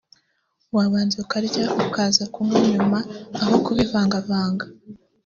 wabanza ukarya ukaza kunywa nyuma aho kubivangavanga